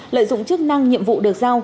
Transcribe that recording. lợi dụng chức năng nhiệm vụ được giao